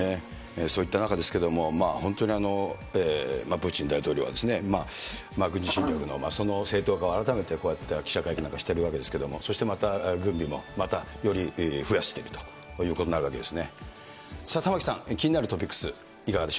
そういった中ですけれども、本当にプーチン大統領は、軍事侵略のその正当化を改めてこうやって記者会見なんかしているわけですけれども、そしてまた軍備も、またより増やしているということになるわけですね。